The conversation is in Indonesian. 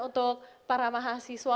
untuk para mahasiswa